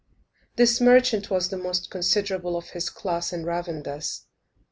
This merchant was the most considerable of his class in Ravandus.